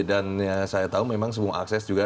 dan yang saya tahu memang semua akses juga